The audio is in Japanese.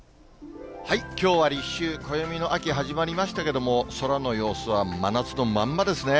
きょうは立秋、暦の秋、始まりましたけれども、空の様子は真夏のまんまですね。